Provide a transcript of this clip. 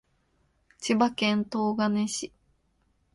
千葉県東金市